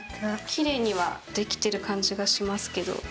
奇麗にはできてる感じがしますけど。